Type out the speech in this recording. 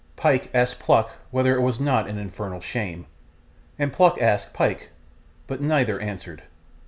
Pyke asked Pluck whether it was not an infernal shame, and Pluck asked Pyke; but neither answered.